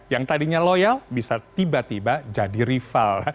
yang tadinya loyal bisa tiba tiba jadi rival